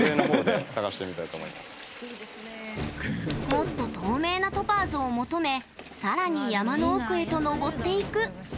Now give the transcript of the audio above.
もっと透明なトパーズを求めさらに山の奥へと登っていく。